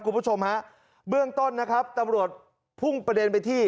คุณผู้ชมฮะเบื้องต้นนะครับตำรวจพุ่งประเด็นไปที่